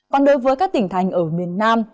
còn đối với các tỉnh thành ở miền nam